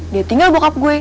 dia tinggal bokap gue